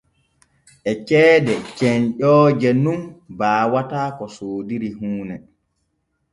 E ceede cenƴooje nun baawata ko soodiri huune.